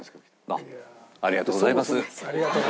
ありがとうございます。